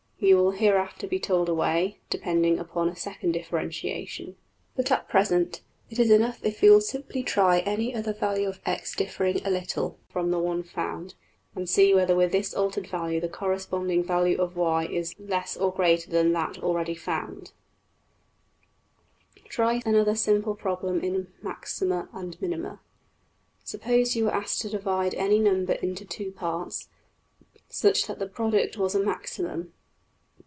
You will hereafter be told a way, depending upon a second differentiation, (see Chap.~XII., \Pageref{chap:XII}). But at present it is enough if you will simply try any other value of~$x$ differing a little from the one found, and see whether with this altered value the corresponding value of~$y$ is less or greater than that already found. \DPPageSep{111.png}% Try another simple problem in maxima and minima. Suppose you were asked to divide any number into two parts, such that the product was a maximum?